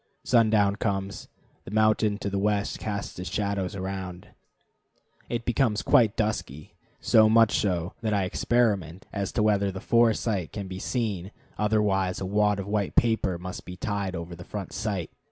Sundown comes; the mountain to the west casts its shadows around. It becomes quite dusky: so much so that I experiment as to whether the fore sight can be seen, otherwise a wad of white paper must be tied over the front sight.